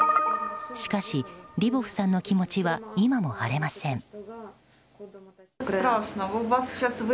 しかし、リボフさんの気持ちは今も晴れません。